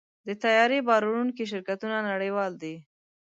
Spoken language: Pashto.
د طیارې بار وړونکي شرکتونه نړیوال دي.